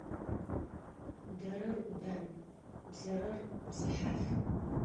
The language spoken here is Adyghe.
Дэрэр Ӏудан, бзэрэр бзыхьаф.